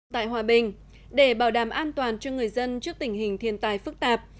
tại hòa bình để bảo đảm an toàn cho người dân trước tình hình thiên tài phức tạp